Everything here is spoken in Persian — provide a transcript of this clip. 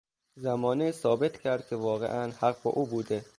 زمانه ثابت کرد که واقعا حق با او بوده.